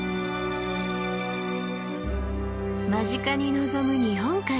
間近に望む日本海。